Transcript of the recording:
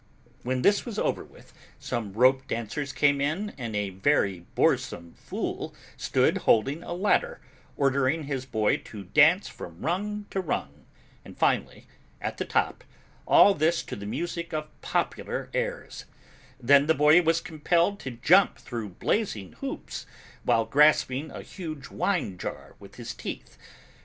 When this was over with, some rope dancers came in and a very boresome fool stood holding a ladder, ordering his boy to dance from rung to rung, and finally at the top, all this to the music of popular airs; then the boy was compelled to jump through blazing hoops while grasping a huge wine jar with his teeth.